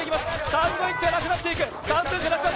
サンドイッチがなくなっていく！